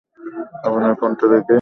আপনার ফোনটা দেখি।